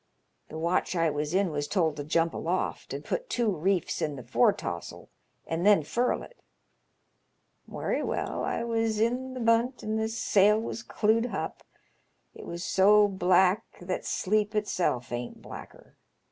The watch I was in was told to jump aloft and put two reefs in the foretaws'l, and then furl it. Werry well, I was in th' 144 'LONGSHOBEMAirS YABN8. bunt and the sail was clewed hup. It was so black that sleep itself ain't blacker.